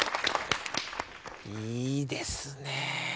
いいですね。